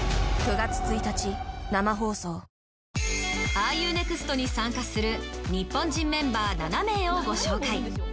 『ＲＵＮｅｘｔ？』に参加する日本人メンバー７名をご紹介。